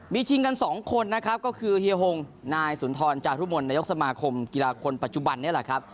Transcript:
มีชิงกันสองคนนะครับก็คือเฮียฮงนายสุนทรจารุมลนายกสมาคมกีฬาคนปัจจุบันนี่แหละครับ